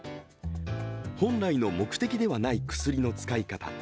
本来の目的ではない薬の使い方。